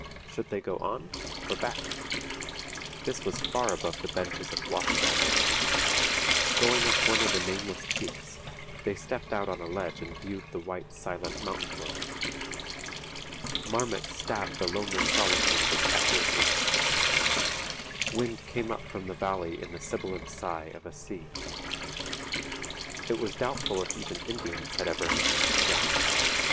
Should they go on, or back? This was far above the benches of wash gravel. Going up one of the nameless peaks, they stepped out on a ledge and viewed the white, silent mountain world. Marmots stabbed the lonely solitude with echoing whistle. Wind came up from the valley in the sibilant sigh of a sea. It was doubtful if even Indians had ever hunted this ground.